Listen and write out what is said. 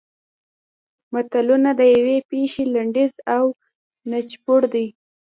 متلونه د یوې پېښې لنډیز او نچوړ دي